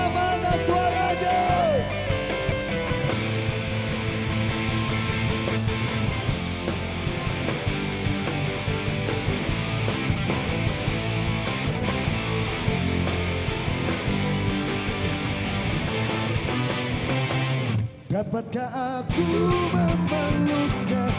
berapa tak aku memeluknya